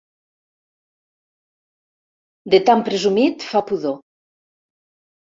De tan presumit fa pudor.